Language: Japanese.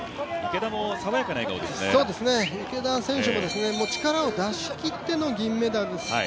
池田選手も力を出しきっての銀メダル。